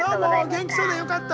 元気そうでよかった。